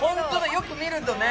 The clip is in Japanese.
よく見るとね。